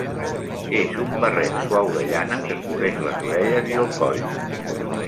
És un barret suau de llana que cobreix les orelles i el coll.